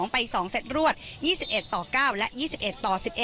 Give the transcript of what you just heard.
ไป๒เซตรวด๒๑ต่อ๙และ๒๑ต่อ๑๑